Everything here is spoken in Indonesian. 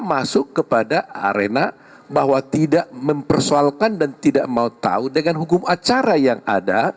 masuk kepada arena bahwa tidak mempersoalkan dan tidak mau tahu dengan hukum acara yang ada